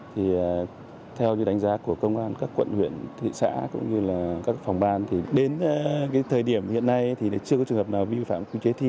thì theo đánh giá của công an các quận huyện thị xã cũng như là các phòng ban thì đến cái thời điểm hiện nay thì chưa có trường hợp nào vi phạm quy chế thi